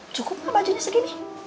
cukup mah bajunya segini